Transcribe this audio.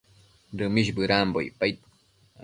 Dëmish bëdambo icpaid